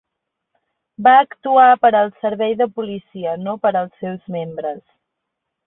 Va actuar per al servei de policia, no per als seus membres